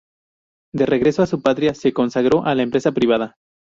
De regreso a su patria, se consagró a la empresa privada.